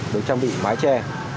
được trang bị mái tre